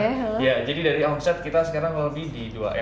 ya jadi dari omset kita sekarang kalau lebih di dua m per bulan ya